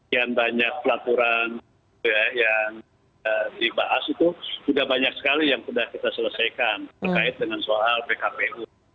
yang banyak pelaporan yang dibahas itu sudah banyak sekali yang sudah kita selesaikan terkait dengan soal pkpu